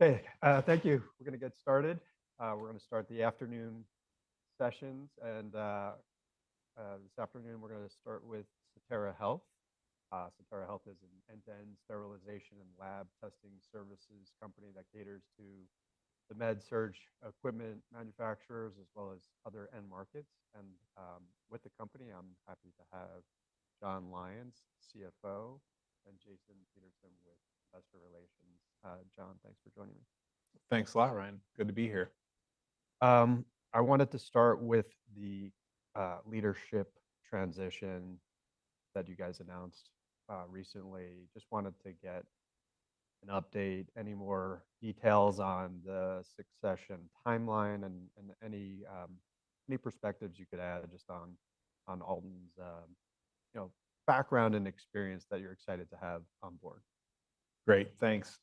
Only to moderate the agenda. Okay, thank you. We're gonna get started. We're gonna start the afternoon sessions and this afternoon we're gonna start with Sotera Health. Sotera Health is an end-to-end sterilization and lab testing services company that caters to the med-surg equipment manufacturers as well as other end markets. And, with the company, I'm happy to have Jonathan Lyons, CFO, and Jason Peterson with investor relations. Jonathan, thanks for joining me. Thanks a lot, Ryan. Good to be here. I wanted to start with the leadership transition that you guys announced recently. Just wanted to get an update. Any more details on the succession timeline and any perspectives you could add just on Alton's, you know, background and experience that you're excited to have on board? Great, thanks.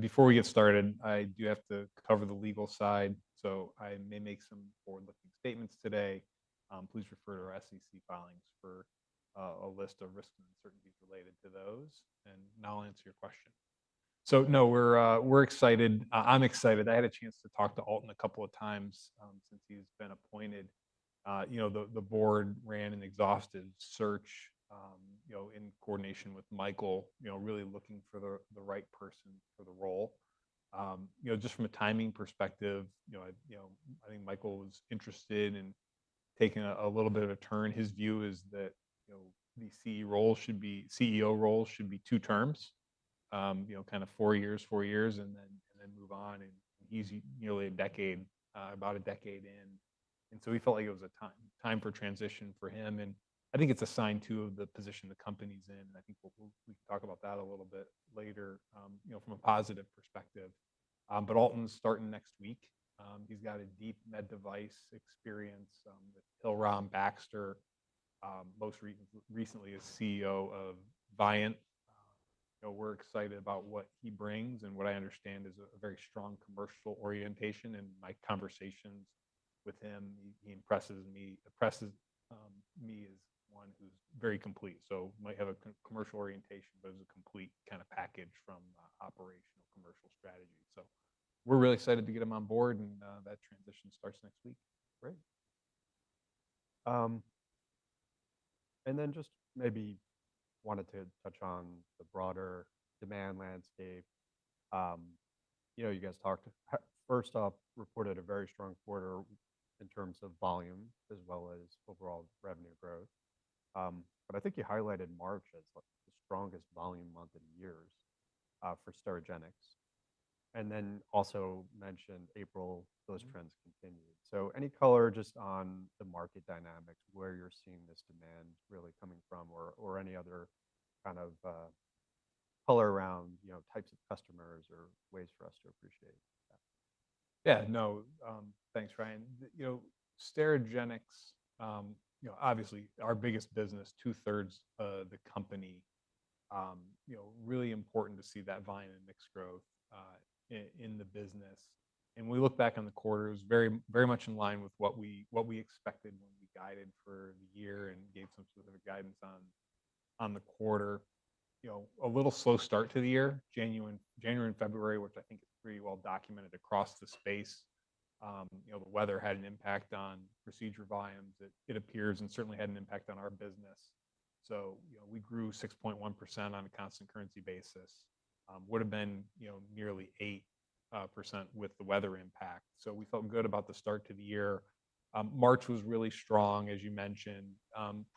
Before we get started, I do have to cover the legal side. I may make some forward-looking statements today. Please refer to our SEC filings for a list of risks and uncertainties related to those. Now I'll answer your question. No, we're excited. I'm excited. I had a chance to talk to Alton a couple of times since he's been appointed. You know, the board ran an exhaustive search, you know, in coordination with Michael, you know, really looking for the right person for the role. You know, just from a timing perspective, you know, I think Michael was interested in taking a little bit of a turn. His view is that, you know, the CEO role should be two terms. You know, kinda four years, and then move on. He's nearly a decade, about a decade in. He felt like it was a time for transition for him. I think it's a sign too of the position the company's in. I think we'll talk about that a little bit later, you know, from a positive perspective. Alton's starting next week. He's got a deep med device experience with Hillrom, Baxter, most recently as CEO of Viant. You know, we're excited about what he brings and what I understand is a very strong commercial orientation. In my conversations with him, he impresses me as one who's very complete. Might have a commercial orientation, but is a complete kinda package from operational commercial strategy. We're really excited to get him on board and that transition starts next week. Great. Just maybe wanted to touch on the broader demand landscape. You know, you guys talked. First off, reported a very strong quarter in terms of volume as well as overall revenue growth. I think you highlighted March as like the strongest volume month in years for Sterigenics. Also mentioned April, those trends continued. Any color just on the market dynamics, where you're seeing this demand really coming from or any other kind of color around, you know, types of customers or ways for us to appreciate that? Yeah, no. Thanks, Ryan. You know, Sterigenics, you know, obviously our biggest business, 2/3 of the company, you know, really important to see that volume and mix growth in the business. We look back on the quarter, it was very much in line with what we expected when we guided for the year and gave some specific guidance on the quarter. You know, a little slow start to the year. January and February, which I think is pretty well documented across the space, you know, the weather had an impact on procedure volumes, it appears, and certainly had an impact on our business. You know, we grew 6.1% on a constant currency basis. Would have been, you know, nearly 8% with the weather impact. We felt good about the start to the year. March was really strong, as you mentioned.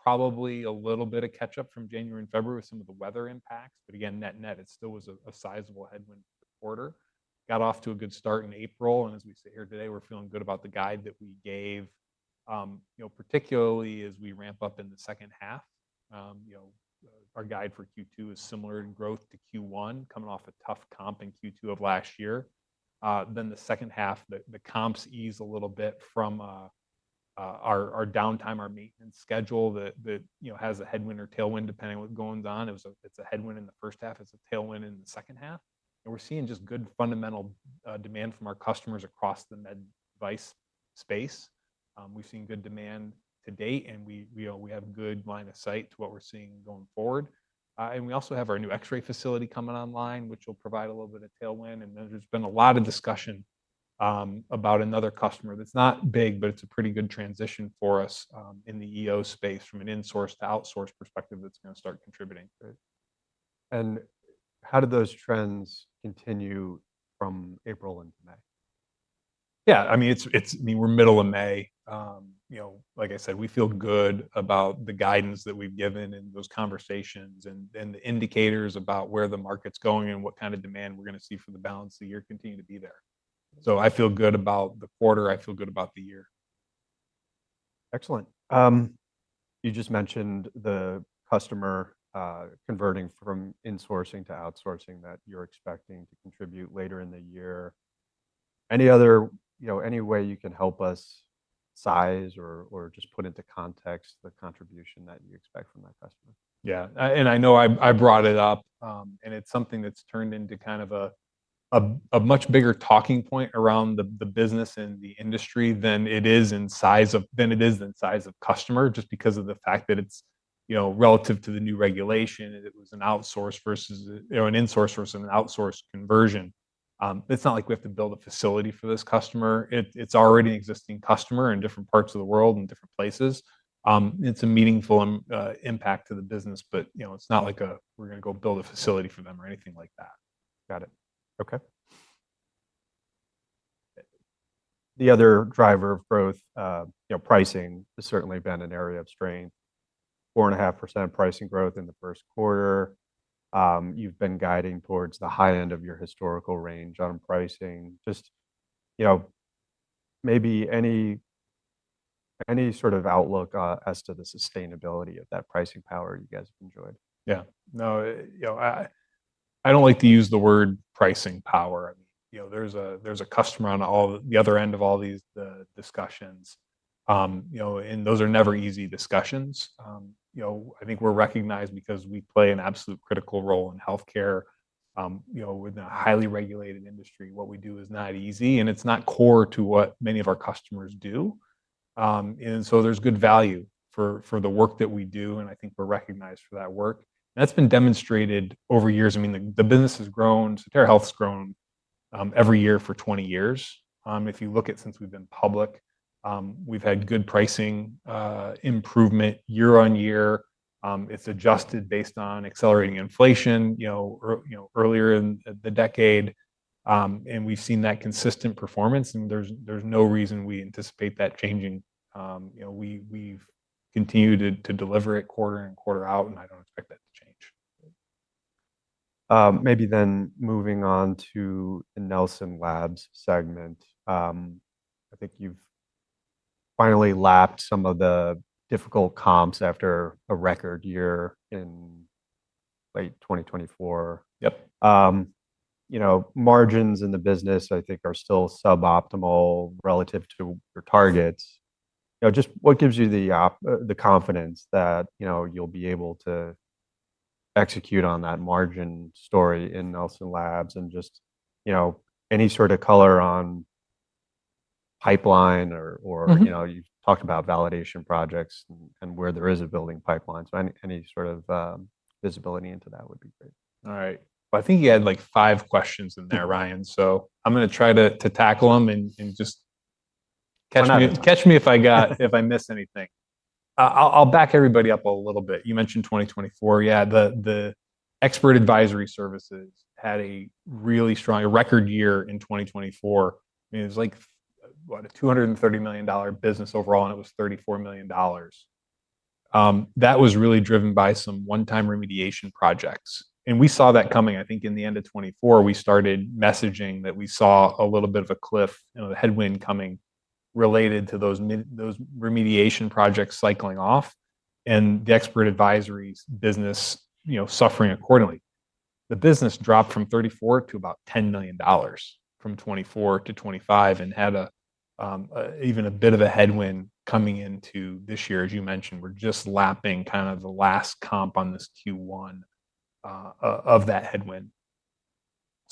Probably a little bit of catch-up from January and February with some of the weather impacts. Again, net-net, it still was a sizable headwind for the quarter. Got off to a good start in April, and as we sit here today, we're feeling good about the guide that we gave. You know, particularly as we ramp up in the second half, you know, our guide for Q2 is similar in growth to Q1, coming off a tough comp in Q2 of last year. The second half, the comps ease a little bit from our downtime, our maintenance schedule that, you know, has a headwind or tailwind depending on what goes on. It's a headwind in the first half, it's a tailwind in the second half. We're seeing just good fundamental demand from our customers across the med device space. We've seen good demand to date and we, you know, we have good line of sight to what we're seeing going forward. We also have our new X-ray facility coming online which will provide a little bit of tailwind then there's been a lot of discussion about another customer that's not big, but it's a pretty good transition for us in the EO space from an insourced to outsourced perspective that's gonna start contributing. Great. How do those trends continue from April into May? Yeah, I mean, it's, I mean, we're middle of May. you know, like I said, we feel good about the guidance that we've given in those conversations and the indicators about where the market's going and what kind of demand we're gonna see for the balance of the year continue to be there. I feel good about the quarter, I feel good about the year. Excellent. You just mentioned the customer converting from insourcing to outsourcing that you're expecting to contribute later in the year. Any other, any way you can help us size or just put into context the contribution that you expect from that customer? Yeah. I know I brought it up, and it's something that's turned into kind of a much bigger talking point around the business and the industry than it is in size of customer just because of the fact that it's, you know, relative to the new regulation and it was an outsource versus a, you know, an insource versus an outsource conversion. It's not like we have to build a facility for this customer. It's already an existing customer in different parts of the world and different places. It's a meaningful impact to the business, but, you know, it's not like a we're gonna go build a facility for them or anything like that. Got it. Okay. The other driver of growth, you know, pricing has certainly been an area of strength. 4.5% pricing growth in the first quarter. You've been guiding towards the high end of your historical range on pricing. Just, you know, maybe any sort of outlook as to the sustainability of that pricing power you guys have enjoyed? Yeah. No, I don't like to use the word pricing power. There's a customer on the other end of all these discussions. Those are never easy discussions. I think we're recognized because we play an absolute critical role in healthcare with a highly regulated industry. What we do is not easy, and it's not core to what many of our customers do. There's good value for the work that we do, and I think we're recognized for that work. That's been demonstrated over years. The business has grown, Sotera Health's grown every year for 20 years. If you look at since we've been public, we've had good pricing improvement year on year. It's adjusted based on accelerating inflation, you know, earlier in the decade. We've seen that consistent performance, and there's no reason we anticipate that changing. You know, we've continued to deliver it quarter in, quarter out, and I don't expect that to change. Maybe moving on to the Nelson Labs segment. I think you've finally lapped some of the difficult comps after a record year in late 2024. Yep. You know, margins in the business I think are still suboptimal relative to your targets. You know, just what gives you the confidence that, you know, you'll be able to execute on that margin story in Nelson Labs? Just, you know, any sort of color on pipeline or? You know, you talked about validation projects and where there is a building pipeline. Any sort of visibility into that would be great. All right. Well, I think you had like five questions in there, Ryan, I'm gonna try to tackle them. We're not done. Catch me if I got, if I miss anything. I'll back everybody up a little bit. You mentioned 2024. Yeah, the expert advisory services had a really strong, a record year in 2024. I mean, it was like, what, a $230 million business overall, and it was $34 million. That was really driven by some one-time remediation projects. We saw that coming, I think, in the end of 2024. We started messaging that we saw a little bit of a cliff, you know, a headwind coming related to those remediation projects cycling off and the expert advisories business, you know, suffering accordingly. The business dropped from $34 million to about $10 million from 2024-2025 and had a even a bit of a headwind coming into this year. As you mentioned, we're just lapping kind of the last comp on this Q1 of that headwind.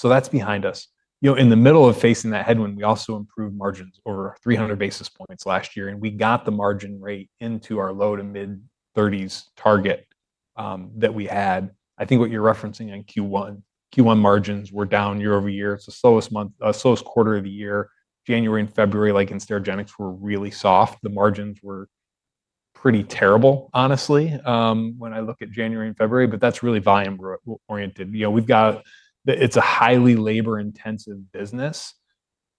That's behind us. You know, in the middle of facing that headwind, we also improved margins over 300 basis points last year, and we got the margin rate into our low-to-mid 30s target that we had. I think what you're referencing in Q1 margins were down year-over-year. It's the slowest month, slowest quarter of the year. January and February, like in Sterigenics, were really soft. The margins were pretty terrible, honestly, when I look at January and February. That's really volume-oriented. You know, it's a highly labor-intensive business,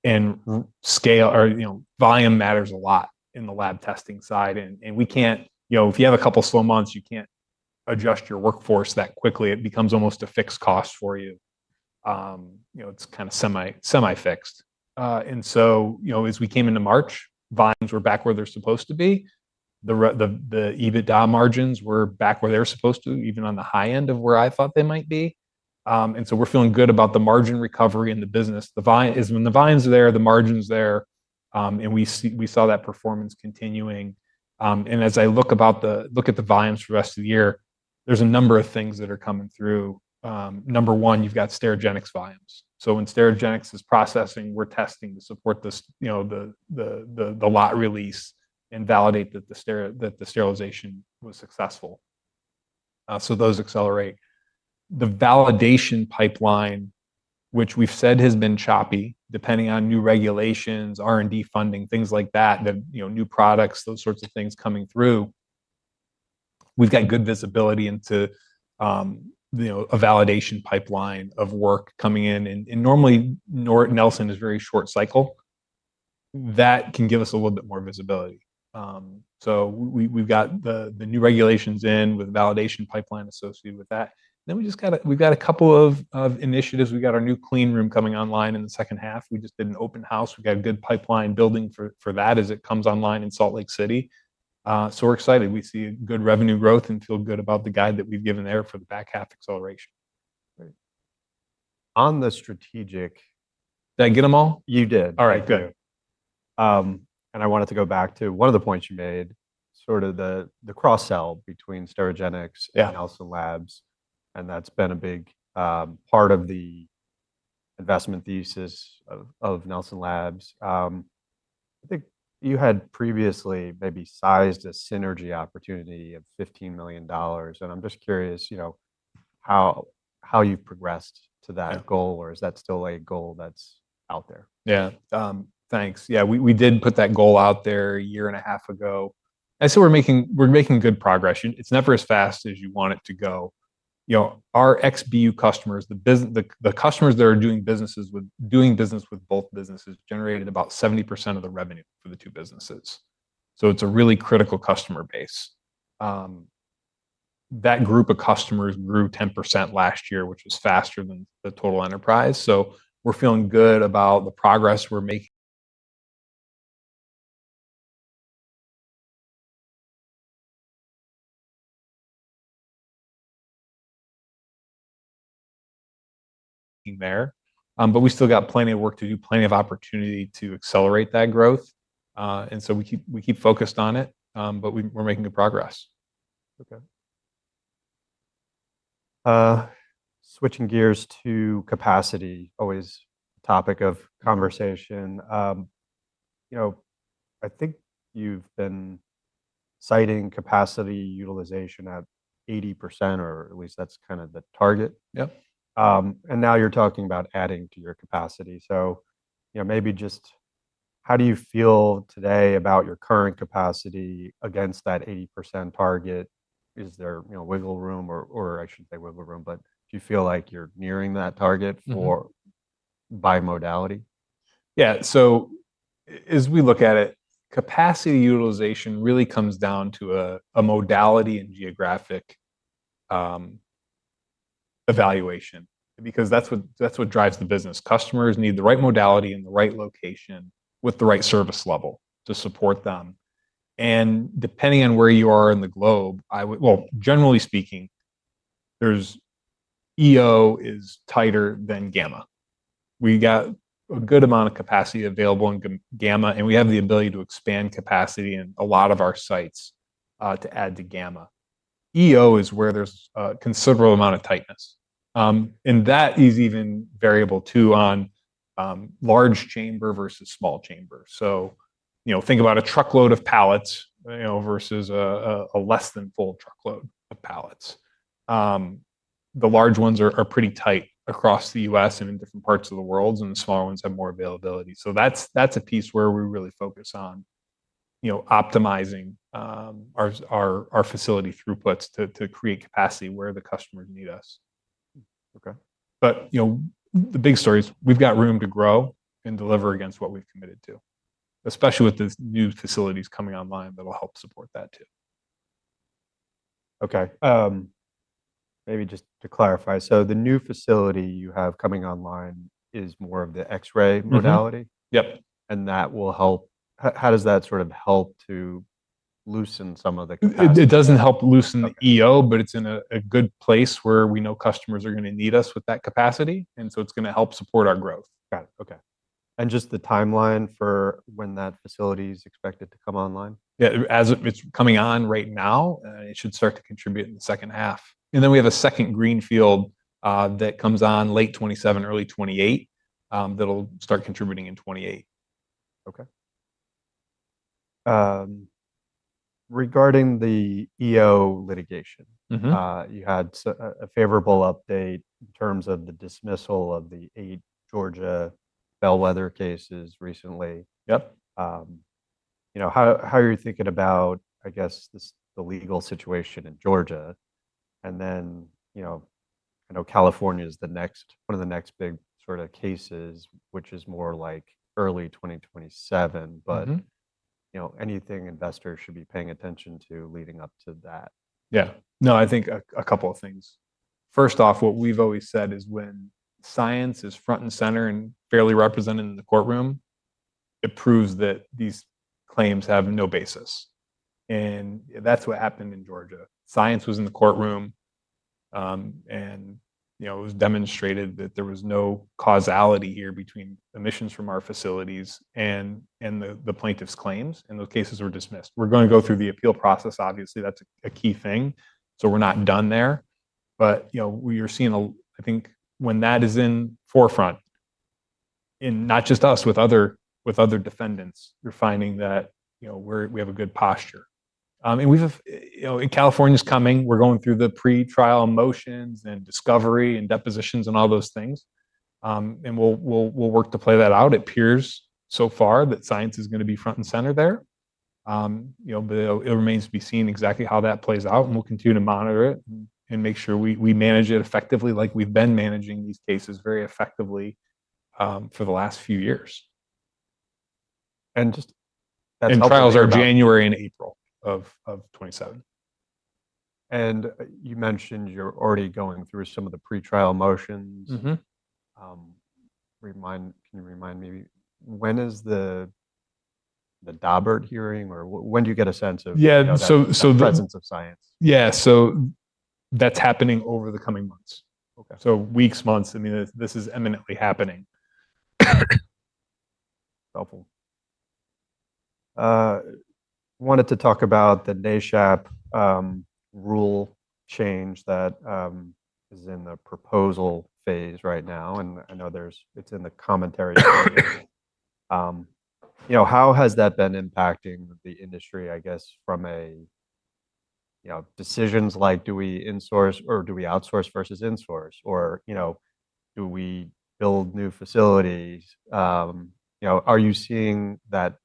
and scale or, you know, volume matters a lot in the lab testing side. We can't You know, if you have a couple slow months, you can't adjust your workforce that quickly. It becomes almost a fixed cost for you. You know, it's kind of semi-fixed. You know, as we came into March, volumes were back where they're supposed to be. The EBITDA margins were back where they were supposed to, even on the high end of where I thought they might be. We're feeling good about the margin recovery in the business. When the volumes are there, the margin's there, and we saw that performance continuing. As I look at the volumes for the rest of the year, there's a number of things that are coming through. Number one, you've got Sterigenics volumes. When Sterigenics is processing, we're testing to support you know, the lot release and validate that the sterilization was successful. Those accelerate. The validation pipeline, which we've said has been choppy, depending on new regulations, R&D funding, things like that, you know, new products, those sorts of things coming through, we've got good visibility into, you know, a validation pipeline of work coming in. Normally Nelson is very short cycle. That can give us a little bit more visibility. We've got the new regulations in with validation pipeline associated with that. We've got a couple of initiatives. We've got our new cleanroom coming online in the second half. We just did an open house. We've got a good pipeline building for that as it comes online in Salt Lake City. We're excited. We see good revenue growth and feel good about the guide that we've given there for the back half acceleration. Great. On the strategic, did I get them all? You did. All right. Good. I wanted to go back to one of the points you made, sort of the cross sell between Sterigenics. Yeah Nelson Labs, and that's been a big part of the investment thesis of Nelson Labs. I think you had previously maybe sized a synergy opportunity of $15 million, and I'm just curious, you know, how you've progressed to that goal. Yeah Is that still a goal that's out there? Yeah. Thanks. Yeah, we did put that goal out there a year and a half ago. I'd say we're making good progress. It, it's never as fast as you want it to go. You know, our XBU customers, the customers that are doing business with both businesses generated about 70% of the revenue for the two businesses. It's a really critical customer base. That group of customers grew 10% last year, which was faster than the total enterprise. We're feeling good about the progress we're making there. We still got plenty of work to do, plenty of opportunity to accelerate that growth. We keep focused on it, we're making good progress. Okay. Switching gears to capacity, always topic of conversation. You know, I think you've been citing capacity utilization at 80%, or at least that's kind of the target. Yep. Now you're talking about adding to your capacity. You know, maybe just how do you feel today about your current capacity against that 80% target? Is there, you know, wiggle room or I shouldn't say wiggle room, but do you feel like you're nearing that target? For, by modality? As we look at it, capacity utilization really comes down to a modality in geographic evaluation, because that's what drives the business. Customers need the right modality in the right location with the right service level to support them. Depending on where you are in the globe, Well, generally speaking, EO is tighter than gamma. We got a good amount of capacity available in gamma, and we have the ability to expand capacity in a lot of our sites to add to gamma. EO is where there's a considerable amount of tightness, and that is even variable too on large chamber versus small chamber. You know, think about a truckload of pallets, you know, versus a less than full truckload of pallets. The large ones are pretty tight across the U.S. and in different parts of the world, and the small ones have more availability. That's, that's a piece where we really focus on, you know, optimizing our facility throughputs to create capacity where the customers need us. Okay. You know, the big story is we've got room to grow and deliver against what we've committed to, especially with the new facilities coming online that'll help support that too. Okay. Maybe just to clarify, so the new facility you have coming online is more of the X-ray modality? Mm-hmm. Yep. How does that sort of help to loosen some of the capacity? It doesn't help loosen the EO. Okay It's in a good place where we know customers are going to need us with that capacity, and so it's going to help support our growth. Got it. Okay. Just the timeline for when that facility is expected to come online? It's coming on right now. It should start to contribute in the second half. We have a second greenfield that comes on late 2027, early 2028, that'll start contributing in 2028. Okay. regarding the EO litigation You had a favorable update in terms of the dismissal of the eight Georgia bellwether cases recently. Yep. You know, how are you thinking about, I guess, the legal situation in Georgia? You know, I know California is one of the next big sorta cases, which is more like early 2027. You know, anything investors should be paying attention to leading up to that? Yeah. No, I think a couple of things. First off, what we've always said is when science is front and center and fairly represented in the courtroom, it proves that these claims have no basis, and that's what happened in Georgia. Science was in the courtroom, and you know, it was demonstrated that there was no causality here between emissions from our facilities and the plaintiff's claims, and those cases were dismissed. We're gonna go through the appeal process. Obviously, that's a key thing, so we're not done there. You know, we are seeing. I think when that is in forefront, and not just us, with other defendants, you're finding that, you know, we have a good posture. We've, you know. California's coming. We're going through the pretrial motions and discovery and depositions and all those things, and we'll work to play that out. It appears so far that science is gonna be front and center there. You know, it remains to be seen exactly how that plays out, and we'll continue to monitor it and make sure we manage it effectively like we've been managing these cases very effectively for the last few years. And just- Trials are January and April of 2027. You mentioned you're already going through some of the pretrial motions. Can you remind me, when is the Daubert hearing? Yeah. You know, that presence of science? Yeah. That's happening over the coming months. Okay. Weeks, months, I mean, this is eminently happening. Helpful. Wanted to talk about the NESHAP rule change that is in the proposal phase right now, and I know it's in the commentary stage. You know, how has that been impacting the industry, I guess from a, you know, decisions like do we insource or do we outsource versus insource or, you know, do we build new facilities? You know, are you seeing that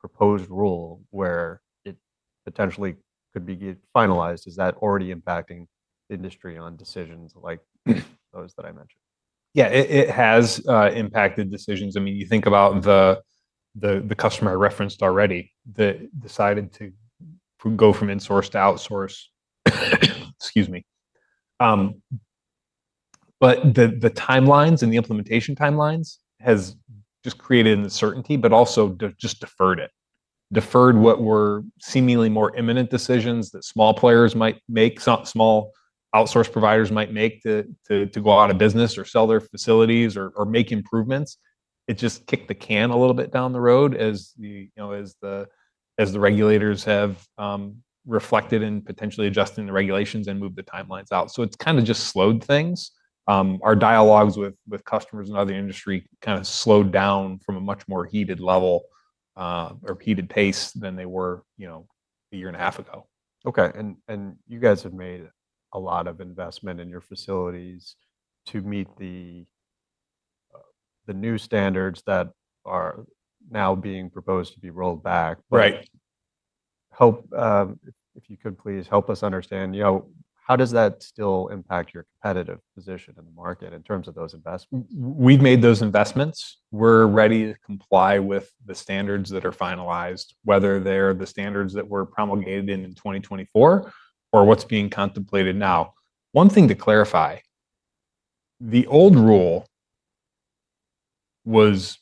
proposed rule where it potentially could get finalized? Is that already impacting industry on decisions like those that I mentioned? Yeah. It has impacted decisions. I mean, you think about the customer I referenced already that decided to go from insourced to outsource. Excuse me. The timelines and the implementation timelines has just created an uncertainty, but also just deferred it. Deferred what were seemingly more imminent decisions that small players might make, some small outsource providers might make to go out of business or sell their facilities or make improvements. It just kicked the can a little bit down the road as the, you know, as the regulators have reflected in potentially adjusting the regulations and moved the timelines out. It's kinda just slowed things. Our dialogues with customers and other industry kinda slowed down from a much more heated level or heated pace than they were, you know, a year and a half ago. Okay. You guys have made a lot of investment in your facilities to meet the new standards that are now being proposed to be rolled back. Right. Help, if you could please help us understand, you know, how does that still impact your competitive position in the market in terms of those investments? We've made those investments. We're ready to comply with the standards that are finalized, whether they're the standards that were promulgated in 2024 or what's being contemplated now. One thing to clarify, the old rule was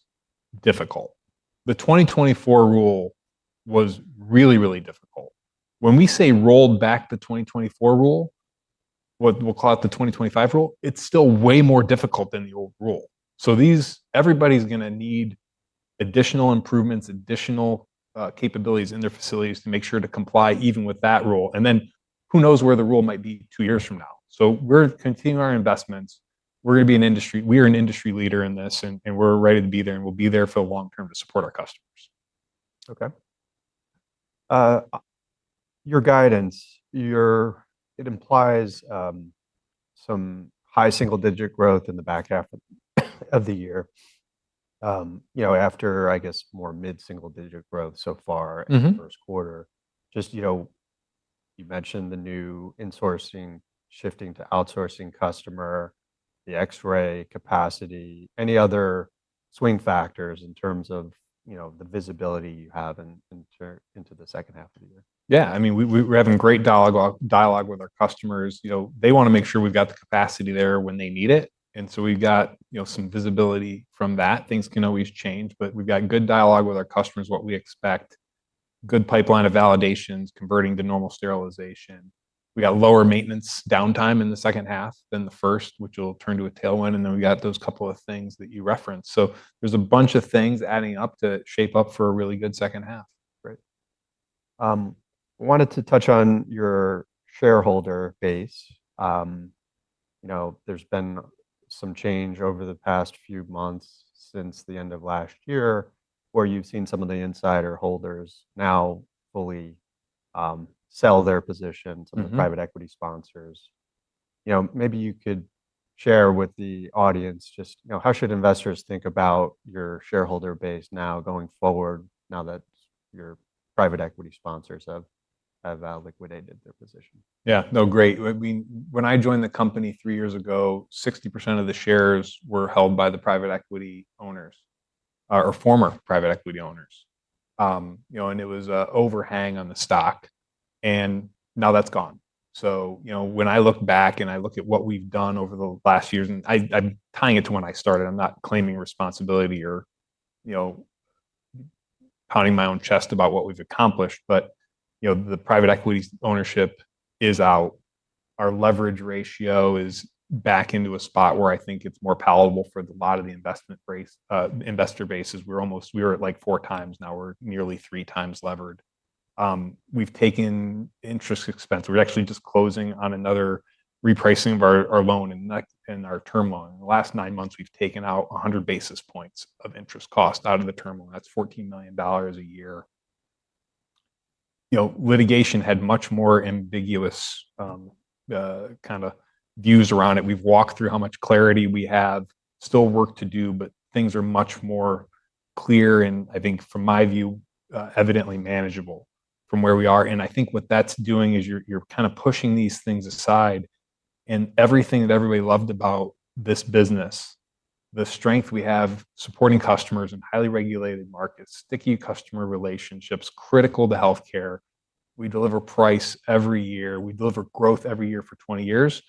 difficult. The 2024 rule was really difficult. When we say roll back the 2024 rule, what we'll call it the 2025 rule, it's still way more difficult than the old rule. Everybody's gonna need additional improvements, additional capabilities in their facilities to make sure to comply even with that rule. Then who knows where the rule might be two years from now. We're continuing our investments. We're gonna be an industry leader in this, and we're ready to be there, and we'll be there for the long term to support our customers. Okay. Your guidance, it implies some high single digit growth in the back half of the year. You know, after, I guess more mid-single digit growth so far. In the first quarter. You know, you mentioned the new insourcing shifting to outsourcing customer, the X-ray capacity. Any other swing factors in terms of, you know, the visibility you have into the second half of the year? I mean, we're having great dialogue with our customers. You know, they wanna make sure we've got the capacity there when they need it. We've got, you know, some visibility from that. Things can always change. We've got good dialogue with our customers, what we expect, good pipeline of validations converting to normal sterilization. We got lower maintenance downtime in the second half than the first, which will turn to a tailwind. We've got those couple of things that you referenced. There's a bunch of things adding up to shape up for a really good second half. Great. I wanted to touch on your shareholder base. You know, there's been some change over the past few months since the end of last year, where you've seen some of the insider holders now fully sell their positions. Some of the private equity sponsors. You know, maybe you could share with the audience just, you know, how should investors think about your shareholder base now going forward now that your private equity sponsors have liquidated their position? Yeah. No, great. I mean, when I joined the company three years ago, 60% of the shares were held by the private equity owners, or former private equity owners. You know, and it was a overhang on the stock, and now that's gone. You know, when I look back and I look at what we've done over the last years, and I'm tying it to when I started. I'm not claiming responsibility or, you know, pounding my own chest about what we've accomplished, but, you know, the private equity ownership is out. Our leverage ratio is back into a spot where I think it's more palatable for a lot of the investment base, investor bases. We were at, like, four times. Now we're nearly three times levered. We've taken interest expense. We're actually just closing on another repricing of our loan and our term loan. In the last nine months, we've taken out 100 basis points of interest cost out of the term loan. That's $14 million a year. You know, litigation had much more ambiguous, kind of views around it. We've walked through how much clarity we have, still work to do, but things are much more clear and, I think from my view, evidently manageable from where we are. I think what that's doing is you're kind of pushing these things aside and everything that everybody loved about this business, the strength we have supporting customers in highly regulated markets, sticky customer relationships, critical to healthcare. We deliver price every year. We deliver growth every year for 20 years.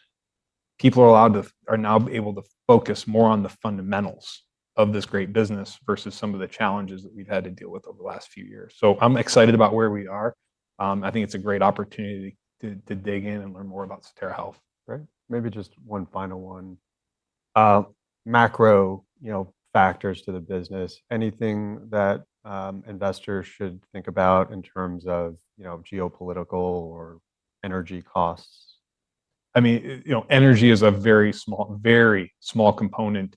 People are now able to focus more on the fundamentals of this great business versus some of the challenges that we've had to deal with over the last few years. I'm excited about where we are. I think it's a great opportunity to dig in and learn more about Sotera Health. Great. Maybe just one final one. Macro, you know, factors to the business. Anything that, investors should think about in terms of, you know, geopolitical or energy costs? I mean, you know, energy is a very small component.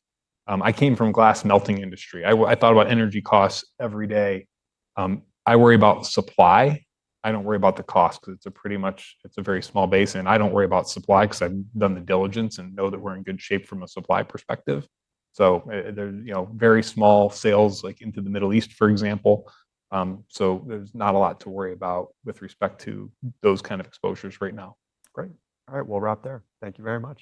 I came from glass melting industry. I thought about energy costs every day. I worry about supply. I don't worry about the cost 'cause it's a very small base, and I don't worry about supply 'cause I've done the diligence and know that we're in good shape from a supply perspective. There, you know, very small sales, like into the Middle East, for example. There's not a lot to worry about with respect to those kind of exposures right now. Great. All right. We'll wrap there. Thank you very much.